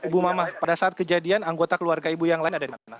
ibu mamah pada saat kejadian anggota keluarga ibu yang lain ada di mana